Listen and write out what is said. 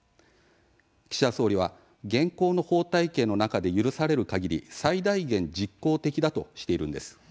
岸田総理は、現行の法体系の中で許されるかぎり最大限実効的だとしているんです。